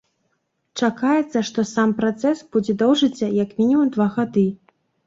Чакаецца, што сам працэс будзе доўжыцца як мінімум два гады.